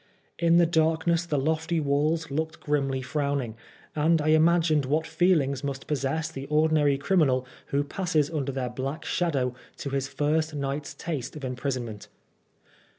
In the darkness the lofty walls looked grimly frowning, and I imagined what feelings must possess the ordinary criminal who passes under their black shadow to his first night's taste of imprisonment.